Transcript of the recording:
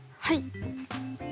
はい。